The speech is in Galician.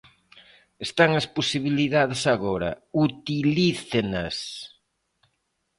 Están as posibilidades agora, utilícenas.